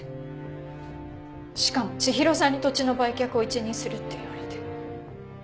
しかも千尋さんに土地の売却を一任するって言われて。